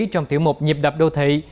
trong tiểu mục nhịp đập đô thị